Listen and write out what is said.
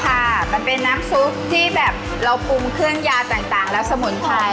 ค่ะมันเป็นน้ำซุปที่แบบเราปรุงเครื่องยาต่างและสมุนไพร